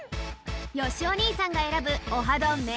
よしお兄さんが選ぶオハどん！